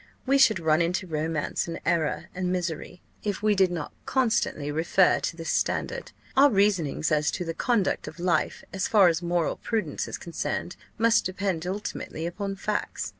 We should run into romance, and error, and misery, if we did not constantly refer to this standard. Our reasonings as to the conduct of life, as far as moral prudence is concerned, must depend ultimately upon facts.